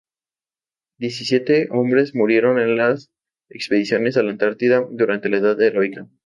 Diecisiete hombres murieron en las expediciones a la Antártida durante la edad heroica.